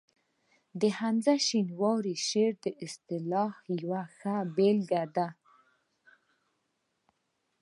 د حمزه شینواري شعر د اصطلاح یوه ښه بېلګه ده